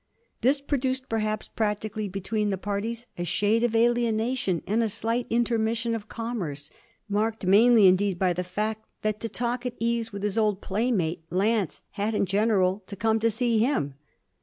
This produced perhaps practically between the parties a shade of alienation and a slight intermission of commerce marked mainly indeed by the fact that to talk at his ease with his old playmate Lance had in general to come to see him.